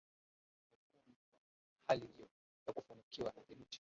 yamekumbwa na hali hiyo ya kufunikwa na theluji